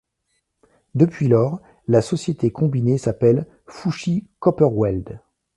Depuis lors, la société combinée s'appelle Fushi Copperweld.